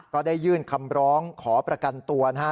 ก็ได้ยื่นคำร้องขอประกันตัวนะฮะ